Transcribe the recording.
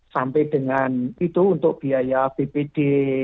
sampai dengan itu untuk biaya bpd